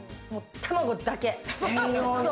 卵だけ。